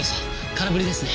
空振りですね。